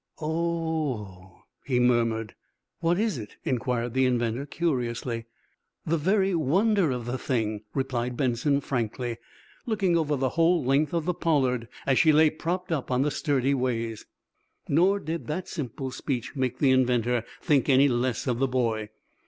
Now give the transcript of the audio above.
"O o o oh!" he murmured. "What is it?" inquired the inventor, curiously. "The very, wonder of the thing," replied Benson, frankly, looking over the whole length of the "Pollard" as she lay propped up on the sturdy ways. Nor did that simple speech make the inventor think any less of the boy.